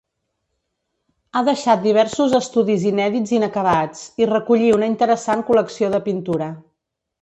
Ha deixat diversos estudis inèdits inacabats, i recollí una interessant col·lecció de pintura.